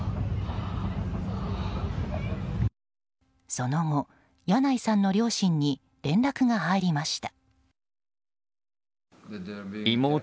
その後、ヤナイさんの両親に連絡が入りました。